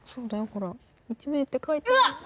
ほら１名って書いてあるうわっ！